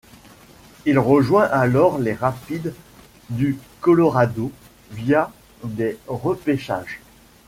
Il rejoint alors les Rapids du Colorado via des repêchages.